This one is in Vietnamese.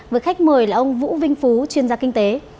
với khách mời là ông vũ vinh phú chuyên gia kinh tế